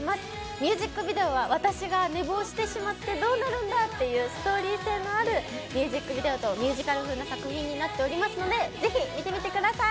ミュージックビデオは私が寝坊してしまってどうなるんだっていうストーリー生のあるミュージックビデオとなっておりますので是非、見てみてください。